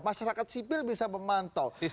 masyarakat sipil bisa memantau